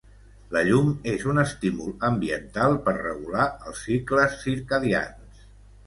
La llum és un estímul ambiental per regular els cicles circadians.